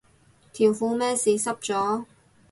條褲咩事濕咗